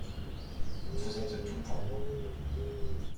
Vous êtes tout pour moi.